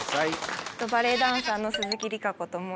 バレエダンサーの鈴木里佳子と申します。